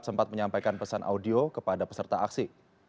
sempat menyampaikan pesan audio kepada peserta aksi